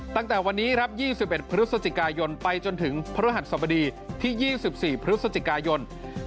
ตั้งแต่วันนี้ครับ๒๑พฤศจิกายนไปจนถึงพฤหัสสบดีที่๒๔พฤศจิกายน